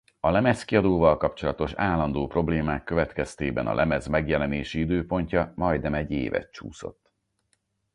A lemezkiadóval kapcsolatos állandó problémák következtében a lemez megjelenési időpontja majdnem egy évet csúszott.